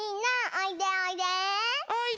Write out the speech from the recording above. おいで！